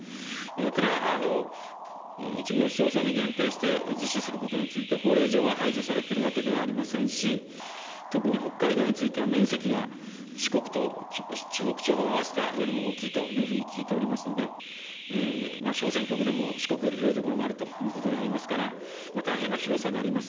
ただ、一部の市町村に限定して実施することについて、法令上は排除されているわけではありませんし、特に北海道については面積が四国と中国地方を合わせたよりも大きいというふうに聞いておりますので、小選挙区でも四国より広い所もあるということでありますから、大変な広さであります。